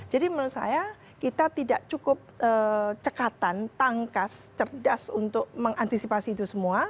jadi menurut saya kita tidak cukup cekatan tangkas cerdas untuk mengantisipasi itu semua